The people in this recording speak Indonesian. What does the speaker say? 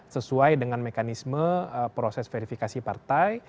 sesuai dengan mekanisme proses verifikasi partai